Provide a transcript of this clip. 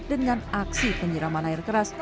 dengan aksi penyiraman air keras